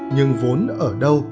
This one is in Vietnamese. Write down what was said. nhưng vốn ở đâu